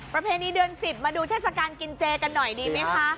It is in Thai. ประเพณีเดือน๑๐มาดูเทศกาลกินเจกันหน่อยดีไหมคะ